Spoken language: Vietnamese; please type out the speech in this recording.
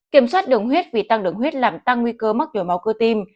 kiểm soát đường huyết vì tăng đường huyết làm tăng nguy cơ mắc nhồi máu cơ tim